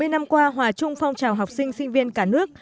bảy mươi năm qua hòa chung phong trào học sinh sinh viên cả nước